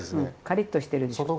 カリッとしてるでしょ？